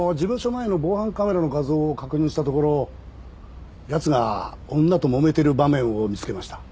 前の防犯カメラの画像を確認したところ奴が女ともめてる場面を見つけました。